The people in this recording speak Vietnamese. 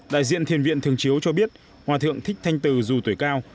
đại diện thiền viện thường chiếu cho biết hòa thượng thích thanh từ dù tuổi cao